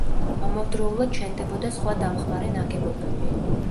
ამავდროულად შენდებოდა სხვა დამხმარე ნაგებობები.